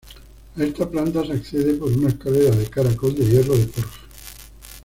A esta planta se accede por una escalera de caracol de hierro de forja.